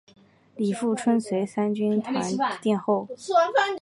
李富春随三军团殿后。